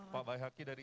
pak bayi haki dari